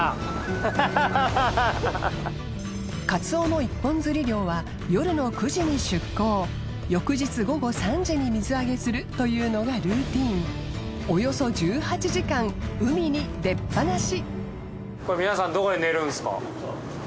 礇張一本釣り漁は夜の９時に出航稷眛午後３時に水揚げするというのがルーティン磴茲州隠源⑷海に出っぱなし◆